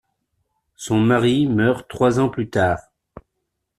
Son mari meurt trois ans plus tard.